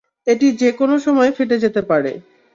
এটি যে কোনও সময় ফেটে যেতে পারে।